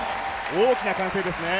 大きな歓声ですね。